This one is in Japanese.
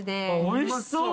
おいしそう。